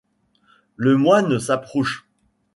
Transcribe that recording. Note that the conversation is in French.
Le moyne s’approuche.